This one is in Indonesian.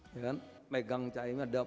ya kan megang caimin ada